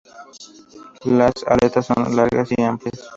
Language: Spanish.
Las aletas son largas y amplias.